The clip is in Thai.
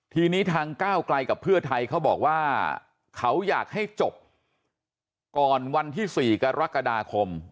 ทีนี้ทางก้าวไกลกับเพื่อไทยเขาบอกว่าเขาอยากให้จบก่อนวันที่๔กรกฎาคม